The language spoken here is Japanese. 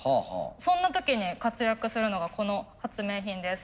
そんな時に活躍するのがこの発明品です。